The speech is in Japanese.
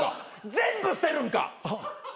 全部捨てるんか？